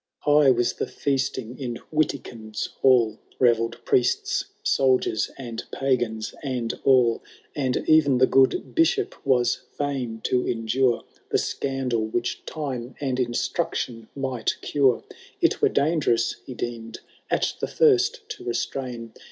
XIII. High was the feasting in Witikind's hall, Beveird priests, soldiers, and pagans, and all ; And e*en the good Bishop was &in to endure The scandal, which time and instruction might cure : It were dangerous, he deem'd, at the first to restrain.